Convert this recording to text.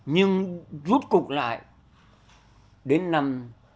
nhưng rút cục lại đến năm